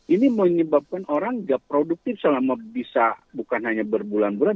ini menyebabkan orang nggak produktif selama bisa bukan hanya berbulan bulan